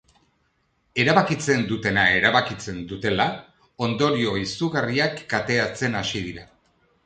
Erabakitzen dutena erabakitzen dutela, ondorio izugarriak kateatzen hasi dira.